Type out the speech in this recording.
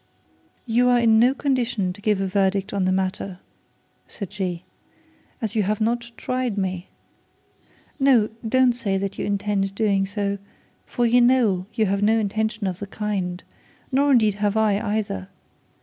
'You are in no condition to give a verdict on the matter,' said she, 'as you have not tried me. No; don't say that you intend doing so, for you know you have no intention of the kind; nor indeed have I either.